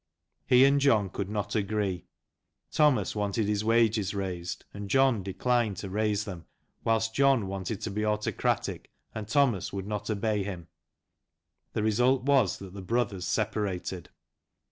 He and John could not 126 BYGONE LANCASHIRE. agree. Thomas wanted his wages raised, and John declined to raise them, whilst John wanted to be autocratic, and Thomas would not obey him. The result was that the brothers separated.